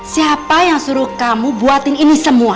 siapa yang suruh kamu buatin ini semua